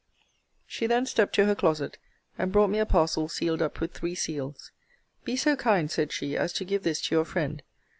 She then stept to her closet, and brought me a parcel sealed up with three seals: Be so kind, said she, as to give this to your friend.